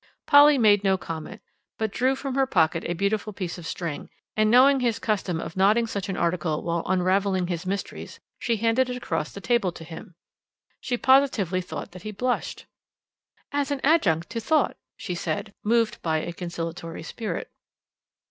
Polly made no comment, but drew from her pocket a beautiful piece of string, and knowing his custom of knotting such an article while unravelling his mysteries, she handed it across the table to him. She positively thought that he blushed. "As an adjunct to thought," she said, moved by a conciliatory spirit.